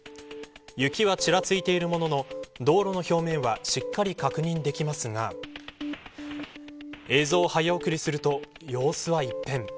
雪はちらついているものの道路の表面はしっかり確認できますが映像を早送りすると様子は一変。